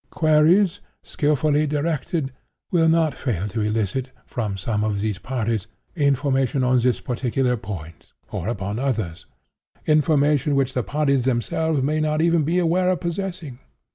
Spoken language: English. Queries, skilfully directed, will not fail to elicit, from some of these parties, information on this particular point (or upon others)—information which the parties themselves may not even be aware of possessing.